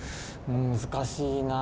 難しいなぁ。